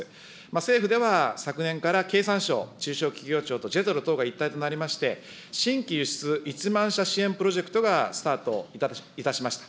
政府では昨年から経産省、中小企業庁とＪＥＴＲＯ等が一体となりまして、新規輸出１万者プロジェクトがスタートいたしました。